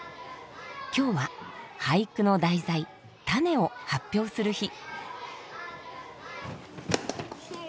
今日は俳句の題材タネを発表する日。